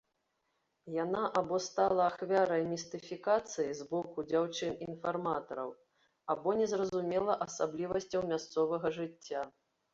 Яна або стала ахвярай містыфікацыі з боку дзяўчын-інфарматараў, або не зразумела асаблівасцяў мясцовага жыцця.